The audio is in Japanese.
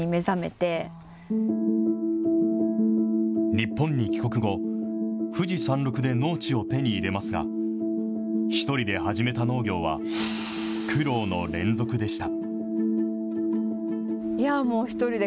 日本に帰国後、富士山麓で農地を手に入れますが、１人で始めた農業は苦労の連続でした。